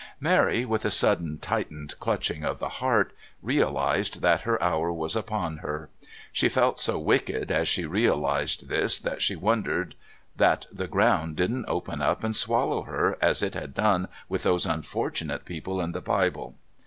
Mary, with a sudden tightened clutching of the heart, realised that her hour was upon her. She felt so wicked as she realised this that she wondered that the ground didn't open up and swallow her, as it had done with those unfortunate people in the Bible.